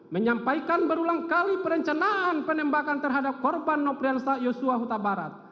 menyampaikan berulang kali perencanaan penembakan terhadap korban nopiansa yosua kutabarat